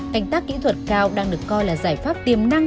cánh tác kỹ thuật cao đang được coi là giải pháp tiềm năng